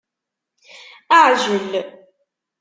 Aεjel